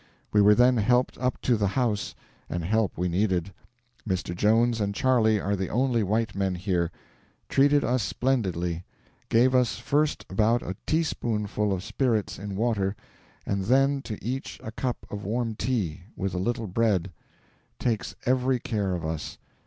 We were then helped up to the house; and help we needed. Mr. Jones and Charley are the only white men here. Treated us splendidly. Gave us first about a teaspoonful of spirits in water, and then to each a cup of warm tea, with a little bread. Takes EVERY care of us.